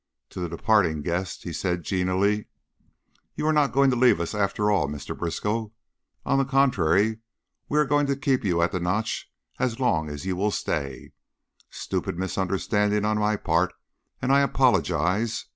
To the departing guest he said, genially: "You are not going to leave us, after all, Mr. Briskow. On the contrary, we are going to keep you at the Notch as long as you'll stay. Stupid misunderstanding on my part, and I apologize.